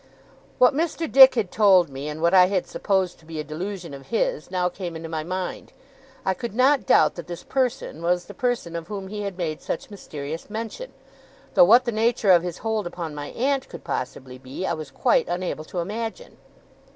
What Mr. Dick had told me, and what I had supposed to be a delusion of his, now came into my mind. I could not doubt that this person was the person of whom he had made such mysterious mention, though what the nature of his hold upon my aunt could possibly be, I was quite unable to imagine.